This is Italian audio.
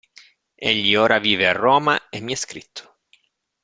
Egli ora vive a Roma e mi ha scritto.